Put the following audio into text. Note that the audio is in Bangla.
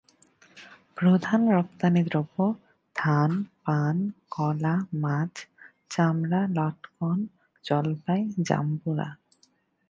প্রধান রপ্তানিদ্রব্য ধান, পান, কলা, মাছ, চামড়া, লটকন, জলপাই, জাম্বুরা।